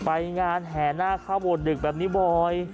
ไปงานแหหน่าใครบวชดึกแบบนี้บอย